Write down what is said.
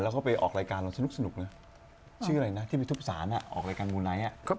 แล้วก็ผิกเข้าดดทิศของผิกเขา